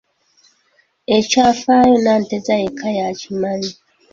Ekyafaayo Nanteza yekka y'akimanyi.